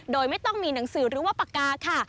โดยไม่ต้องมีหนังสือหรือว่าปากกาค่ะ